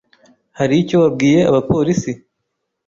Hari icyo wabwiye abapolisi?